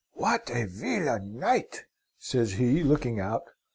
"'What a vilain night!' says he, looking out.